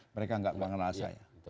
mereka ga kenal saya